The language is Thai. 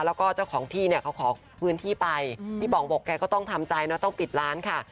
แล้วก็เจ้าของที่เนี่ยเขาขอพื้นที่ไปพี่ป๋องบอกแกก็ต้องทำใจนะต้องปิดร้านค่ะ